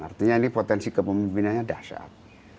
artinya ini potensi kepemimpinannya dahsyat